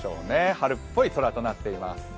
春っぽい空となっています。